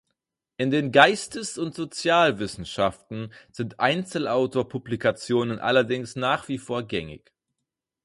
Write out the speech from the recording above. In den Geistes- und Sozialwissenschaften sind Einzelautor-Publikationen allerdings nach wie vor gängig.